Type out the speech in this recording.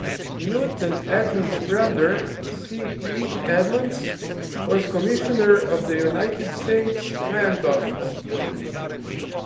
Newton Edmunds' brother, C. E. Edmunds, was Commissioner of the United States Land Office.